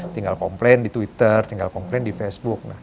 tinggal komplain di twitter tinggal komplain di facebook